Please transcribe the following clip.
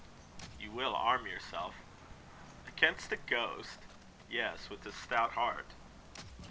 "You will arm yourself?" "Against a ghost? Yes, with a stout heart."